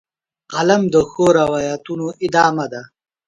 قلم د ښو روایتونو ادامه ده